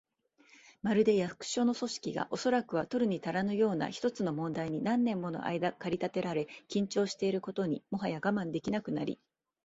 まるで、役所の組織が、おそらくは取るにたらぬような一つの問題に何年ものあいだ駆り立てられ、緊張していることにもはや我慢できなくなり、